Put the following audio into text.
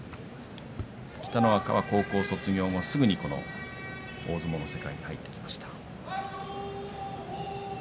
北の若は高校卒業後すぐに大相撲の世界に入ってきました。